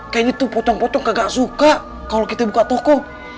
kayaknya itu pocong pocong gak suka kalau kita buka toko